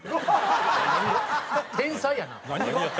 天才やな。